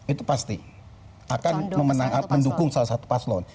itu pasti akan mendukung salah satu paslon